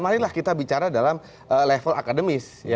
marilah kita bicara dalam level akademis